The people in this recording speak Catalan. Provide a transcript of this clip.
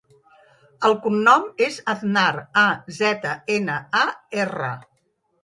El cognom és Aznar: a, zeta, ena, a, erra.